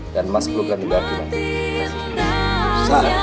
dan mas pelukan di bagian